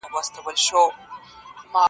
دا سړی په رښتیا ډېر پوهېدی.